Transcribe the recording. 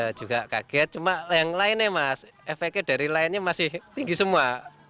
ya juga kaget cuma yang lainnya mas efeknya dari lainnya masih tinggi semua